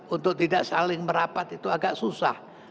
untuk tidak saling merapat itu agak susah